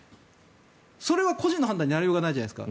それは個人の判断になりようがないじゃないですか。